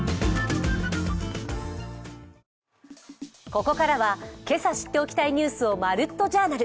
ここからは今朝知っておきたいニュースを「まるっと！Ｊｏｕｒｎａｌ」。